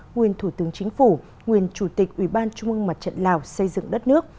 nguyên thủ tướng chính phủ nguyên chủ tịch ủy ban trung ương mặt trận lào xây dựng đất nước